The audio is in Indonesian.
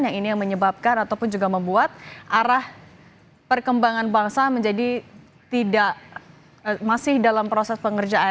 yang ini yang menyebabkan ataupun juga membuat arah perkembangan bangsa menjadi tidak masih dalam proses pengerjaan